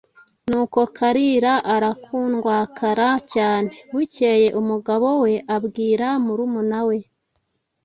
Nuko Kalira arakundwakara cyane! Bukeye umugabo we abwira murumuna we,